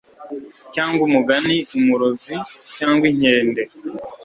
cyangwa umugani, umurozi, cyangwa inkende